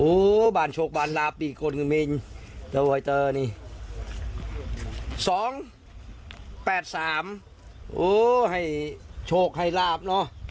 อุ๋อบ้านโชคบ้านลาบอีกคนคือมีนเจ้าไหวเตอร์นี่๒๘๓โว้วเฮ้ยโชคให้ราบเนาะ